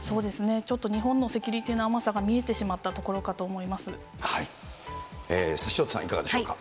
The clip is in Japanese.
ちょっと日本のセキュリティーの甘さが見えてしまったところかと潮田さん、いかがでしょうか。